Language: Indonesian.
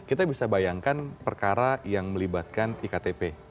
kita bisa bayangkan perkara yang melibatkan iktp